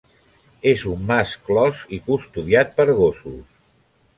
És un mas clos i custodiat per gossos.